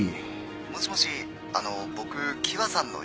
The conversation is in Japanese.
☎もしもしあの僕喜和さんの友人で